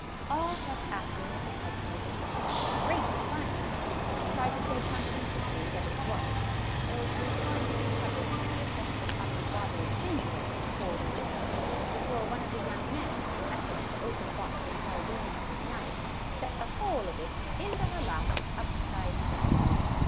All kept asking Mrs. Hudson if it was n't great fun, and she tried to say conscientiously that it was, though she had hardly recovered from the effects of having a bottle of ginger ale poured over her, be fore one of the young men, in his efforts to open a box of sardines with his knife, sent the whole of it into her lap upside down.